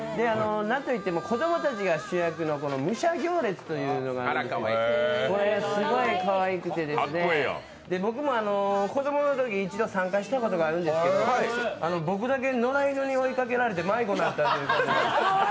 なんといっても子供たちが主役の武者行列というのがあってこれはすごいかわいくて僕も子供のころ一度参加したことがあるんですけど僕だけ野良犬に追いかけられて迷子になったということで。